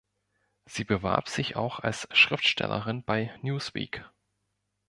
Sie bewarb sich auch als Schriftstellerin bei Newsweek.